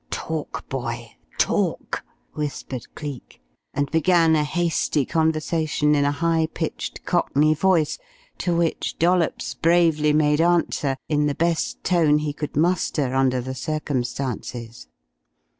"Talk, boy talk," whispered Cleek, and began a hasty conversation in a high pitched, cockney voice, to which Dollops bravely made answer in the best tone he could muster under the circumstances.